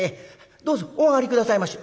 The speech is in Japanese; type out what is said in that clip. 「どうぞお上がり下さいまし」。